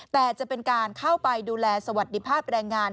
แต่จะเป็นการเข้าไปดูแลสวัสดีภาพแรงงาน